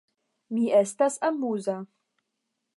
Mi estas amuza.